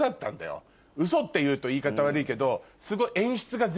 嘘って言うと言い方悪いけど。